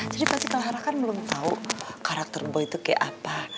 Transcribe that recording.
jadi pasti clara kan belum tahu karakter boy itu kayak apa